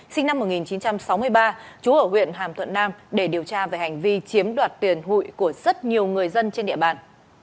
sinh năm một nghìn chín trăm sáu mươi ba trú ở huyện hàm thuận nam để điều tra về hành vi chiếm đoạt tiền hụi của rất nhiều người dân trên địa bàn